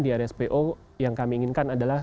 di rspo yang kami inginkan adalah